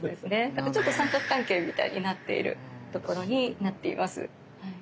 ちょっと三角関係みたいになっているところになっています。